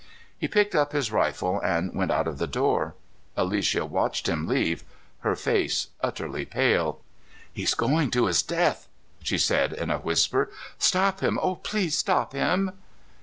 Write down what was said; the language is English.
He picked up his rifle and went out of the door. Alicia watched him leave, her face utterly pale. "He's going to his death!" she said in a whisper. "Stop him, oh, please stop him!"